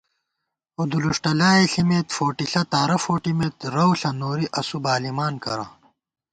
اُدُلُݭٹہ لائے ݪِمېت ، فوٹِݪہ تارہ فوٹِمېت، رَؤ ݪہ نوری اسُو بالِمان کرہ